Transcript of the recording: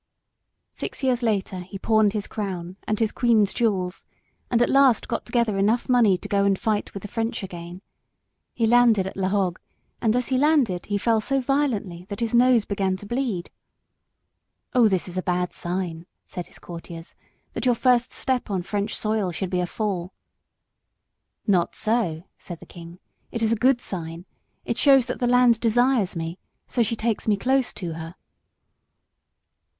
Six years later he pawned his crown and his queen's jewels, and at last got together enough money to go and fight with the French again. He landed at La Hogue, and as he landed he fell so violently that his nose began to bleed. "Oh, this is a bad sign," said his courtiers, "that your first step on French soil should be a fall." "Not so," said the king. "It is a good sign. It shows that the land desires me: so she takes me close to her."